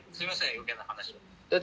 余計な話を。